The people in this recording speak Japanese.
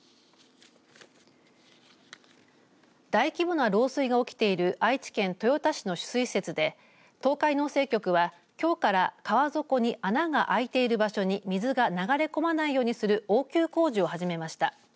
大規模な漏水が起きている愛知県豊田市の取水施設で東海農政局は、きょうから川底に穴が開いている場所に水が流れ込まないようにする応急工事を始めました。